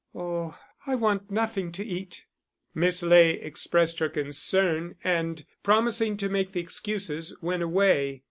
"Oh, I want nothing to eat." Miss Ley expressed her concern, and promising to make the excuses, went away.